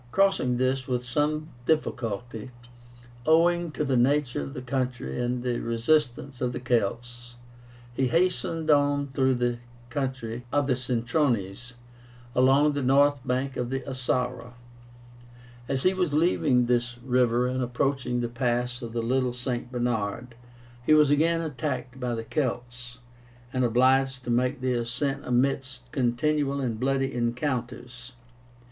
Crossing this with some difficulty, owing to the nature of the country and the resistance of the Celts, he hastened on through the country of the Centrónes, along the north bank of the Isara. As he was leaving this river and approaching the pass of the Little St. Bernard, he was again attacked by the Celts, and obliged to make the ascent amidst continual and bloody encounters.